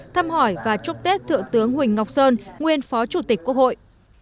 thăm hỏi và chúc tết thượng tướng huỳnh ngọc sơn nguyên phó chủ tịch quốc hội